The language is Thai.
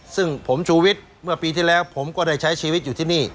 ซึ่งผมชูวิทย์เมื่อปีที่แล้วผมก็ได้ใช้ชีวิตอยู่ที่นี่